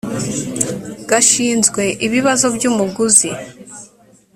gashinzwe ibibazo by umuguzi